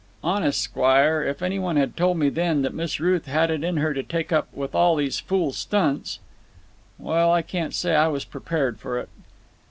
"Honest, squire, if any one had told me then that Miss Ruth had it in her to take up with all these fool stunts——" "Well, I can't say I was prepared for it."